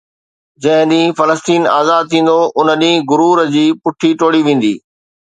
جنهن ڏينهن فلسطين آزاد ٿيندو ان ڏينهن غرور جي پٺي ٽوڙي ويندي